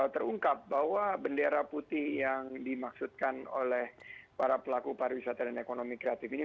terungkap bahwa bendera putih yang dimaksudkan oleh para pelaku pariwisata dan ekonomi kreatif ini